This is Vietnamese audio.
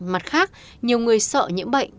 mặt khác nhiều người sợ nhiễm bệnh